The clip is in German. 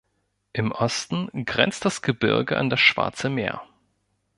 Im Osten grenzt das Gebirge an das Schwarze Meer.